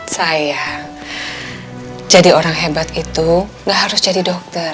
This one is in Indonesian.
sayang jadi orang hebat itu gak harus jadi dokter